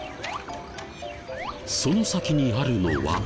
その先にあるのは。